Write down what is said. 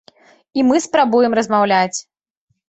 І мы спрабуем размаўляць.